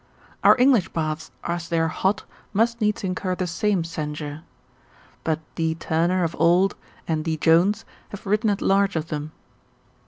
Our English baths, as they are hot, must needs incur the same censure: but D. Turner of old, and D. Jones have written at large of them.